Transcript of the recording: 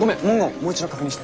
もう一度確認して。